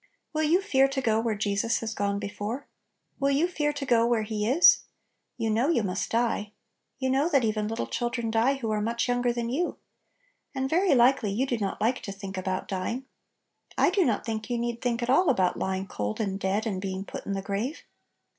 Will you fear to go where Jesus has gone before? Will you fear to go where He is? You know you must die. You know that even little chil dren die who are much younger than you. And very likely you do not like to think about dying. I do not think you need think at all about lying cold and dead and being put in the grave.